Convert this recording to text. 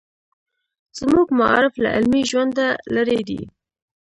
زموږ معارف له عملي ژونده لرې دی.